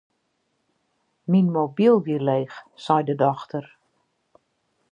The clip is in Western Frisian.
Myn mobyl wie leech, sei de dochter.